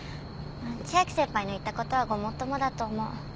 千秋先輩の言ったことはごもっともだと思う。